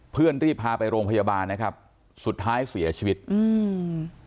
รีบพาไปโรงพยาบาลนะครับสุดท้ายเสียชีวิตอืม